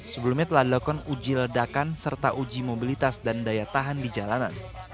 sebelumnya telah dilakukan uji ledakan serta uji mobilitas dan daya tahan di jalanan